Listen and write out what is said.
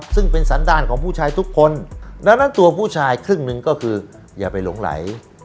ซึ่งเป็นสันดาลของผู้ชายทุกคนดังนั้นตัวผู้ชายครึ่งหนึ่งก็คืออย่าไปหลงไหล